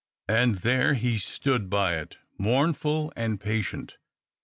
And there he stood by it, mournful and patient.